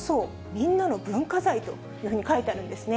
みんなの文化財というふうに書いてあるんですね。